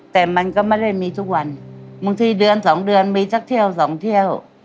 แต่มันก็ไม่ได้มีทุกวันบางทีเดือนสองเดือนมีสักเที่ยวสองเที่ยว